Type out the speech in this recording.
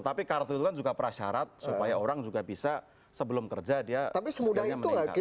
tapi kartu itu kan juga prasyarat supaya orang juga bisa sebelum kerja dia semuanya meningkat